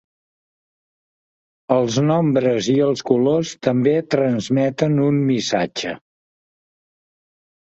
Els nombres i els colors també transmeten un missatge.